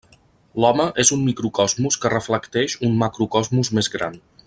L'home és un microcosmos que reflecteix un macrocosmos més gran.